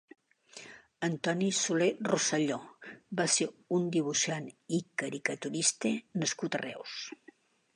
Antoni Soler Rosselló va ser un dibuixant i caricaturista nascut a Reus.